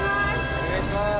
お願いします！